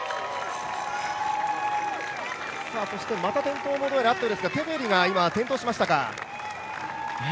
そしてまた転倒があったようですがテフェリが今、転倒しましたか。